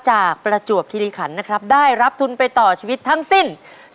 ประจวบคิริขันนะครับได้รับทุนไปต่อชีวิตทั้งสิ้น